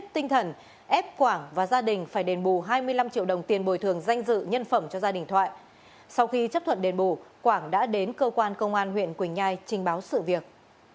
trong khi chấp thuận đền bộ quảng đã đến cơ quan công an huyện quỳnh nhai trình báo sự việc